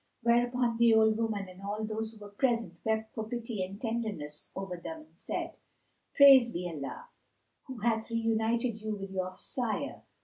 Whereupon the old woman and all who were present wept for pity and tenderness over them and said, "Praised be Allah, who hath reunited you with your Sire!"